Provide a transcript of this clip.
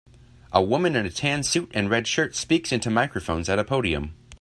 A woman in a tan suit and red shirt speaks into microphones at a podium.